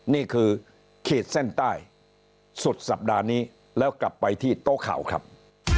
นี่คือขีดเส้นใต้สุดสัปดาห์นี้แล้วกลับไปที่โต๊ะข่าวครับ